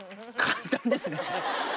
簡単ですね。